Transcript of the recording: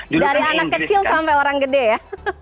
dari anak kecil sampai orang gede ya